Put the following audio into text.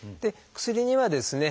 薬にはですね